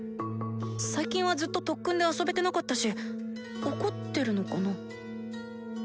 最近はずっと特訓で遊べてなかったし怒ってるのかな。